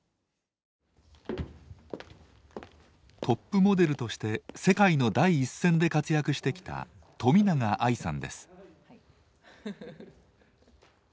トップモデルとして世界の第一線で活躍してきた冨永愛さんです。